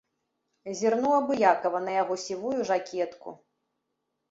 Зірнуў абыякава на яго сівую жакетку.